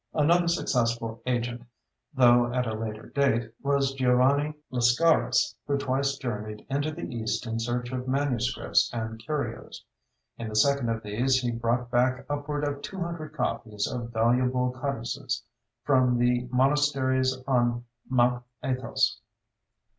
Another successful agent, though at a later date, was Giovanni Lascaris, who twice journeyed into the East in search of manuscripts and curios. In the second of these he brought back upward of two hundred copies of valuable codices from the monasteries on Mount Athos.